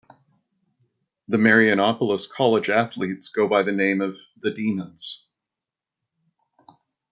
The Marianopolis College athletes go by the name of the Demons.